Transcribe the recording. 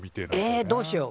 えどうしよう？